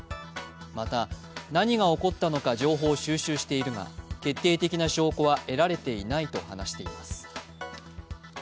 また何が起こったのか情報を収集しているが決定的な証拠は得られていないと話しています。